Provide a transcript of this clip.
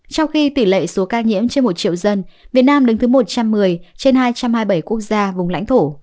trong khi tỷ lệ số ca nhiễm trên một triệu dân việt nam đứng thứ một trăm một mươi trên hai trăm hai mươi bảy quốc gia vùng lãnh thổ